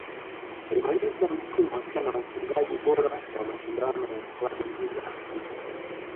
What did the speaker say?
Alimaliza msimu akiwa mfungaji bora wa mashindano ya klabu bingwa Afrika